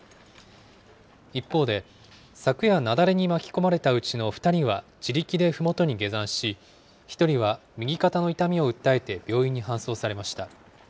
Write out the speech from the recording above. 一方で、昨夜、雪崩に巻き込まれたうちの２人は、自力でふもとに下山し、１人は右肩の痛みを訴えて、病院に搬送されました。